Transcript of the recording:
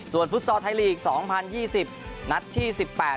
ส่วนฟุตสกรอทายลีกส์๒๐๒๐นัดที่๑๘